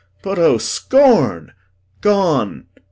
But, O scorn, Gone!